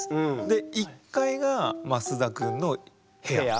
で１階が増田くんの部屋。